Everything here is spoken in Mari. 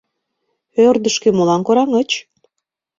Ӧрдыжкӧ молан кораҥыч?»